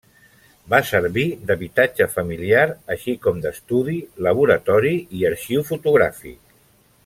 Va servir d'habitatge familiar així com d'estudi, laboratori i arxiu fotogràfic.